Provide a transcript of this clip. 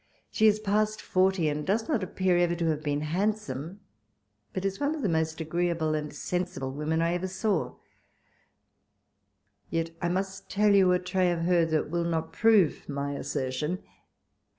She is past forty, and does not appear ever to have been handsome, but is one of the most agreeable and sensible women I ever saw ; yet I must tell you a trait of her that will not prove my assertion.